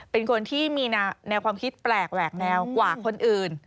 เป็นคนที่มีแนวความคิดแปลกแหวกแนวกว่าคนอื่น